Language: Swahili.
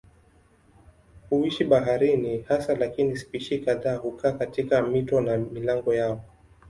Huishi baharini hasa lakini spishi kadhaa hukaa katika mito na milango yao.